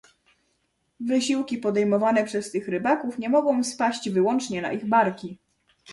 Wysiłki podejmowane przez tych rybaków nie mogą spaść wyłącznie na ich barki